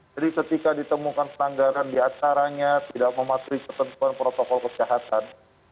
jadi ketika ditemukan pelanggaran di ataranya tidak mematuhi ketentuan protokol kebenaran